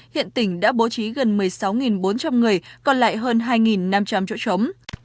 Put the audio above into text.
hiện tỉnh đã bố trí gần một mươi sáu bốn trăm linh người còn lại hơn hai năm trăm linh chỗ trống